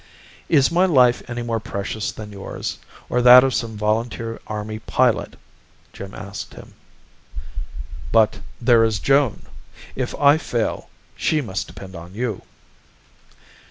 "Is my life any more precious than yours, or that of some volunteer Army pilot?" Jim asked him. "But there is Joan. If I fail she must depend on you."